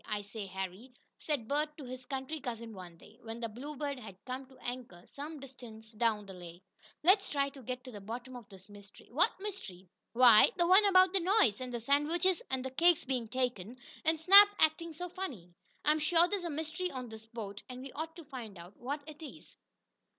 "I say, Harry," said Bert to his country cousin one day, when the Bluebird had come to anchor some distance down the lake, "let's try to get to the bottom of this mystery." "What mystery?" "Why, the one about the noise, and the sandwiches and cakes being taken, and Snap acting so funny. I'm sure there's a mystery on this boat, and we ought to find out what it is."